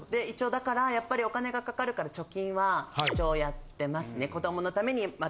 だからやっぱりお金がかかるから貯金は一応やってますね。